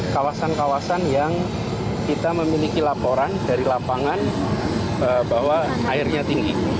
kawasan kawasan yang kita memiliki laporan dari lapangan bahwa airnya tinggi